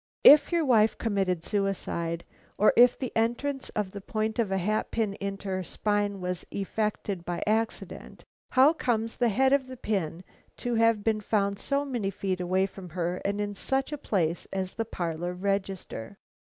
If your wife committed suicide, or if the entrance of the point of a hat pin into her spine was effected by accident, how comes the head of the pin to have been found so many feet away from her and in such a place as the parlor register?"